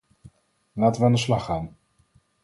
Laten we aan de slag gaan.